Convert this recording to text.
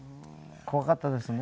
怖かったですね。